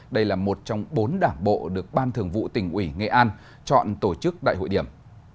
đây là một trong bốn đảng bộ được ban thường vụ tỉnh ủy nghệ an chọn tổ chức đại hội điểm